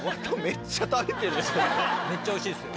めっちゃおいしいですよ。